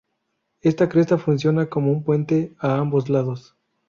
Esta cresta funciona como un puente a ambos lados.